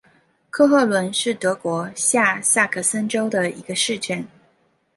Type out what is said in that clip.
克赫伦是德国下萨克森州的一个市镇。